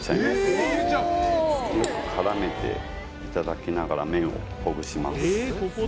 よく絡めていただきながら麺をほぐします